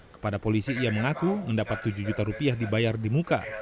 kepada polisi ia mengaku mendapat tujuh juta rupiah dibayar di muka